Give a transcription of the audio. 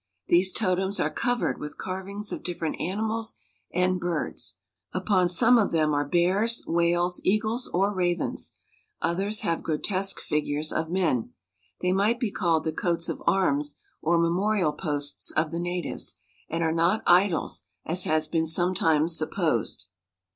These totems are cov ered with carvings of different animals and birds. Upon some of them are bears, whales, eagles, or ravens. Others have grotesque figures of men. They might be called the coats of arms or memorial posts of the natives, and are not idols, as has been sometimes supposed.